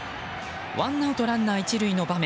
ワンアウト、ランナー１塁の場面